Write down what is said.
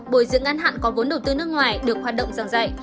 bồi dưỡng ngắn hạn có vốn đầu tư nước ngoài được hoạt động giảng dạy